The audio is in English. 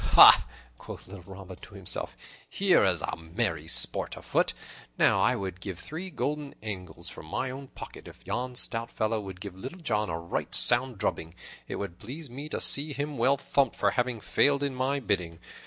"Ha!" quoth Robin to himself, "here is merry sport afoot. Now I would give three golden angels from my own pocket if yon stout fellow would give Little John a right sound drubbing! It would please me to see him well thumped for having failed in my bidding.